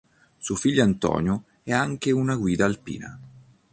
Suo figlio Antonio è anche una guida alpina.